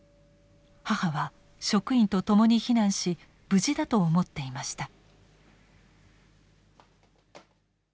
母は職員と共に避難し無事だと思っていました。